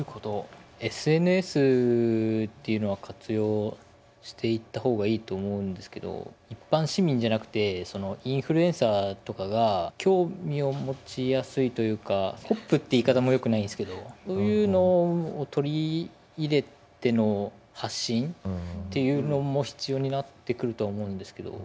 ＳＮＳっていうのは活用していった方がいいと思うんですけど一般市民じゃなくてインフルエンサーとかが興味を持ちやすいというかポップっていう言い方もよくないですけどそういうのを取り入れての発信っていうのも必要になってくるとは思うんですけど。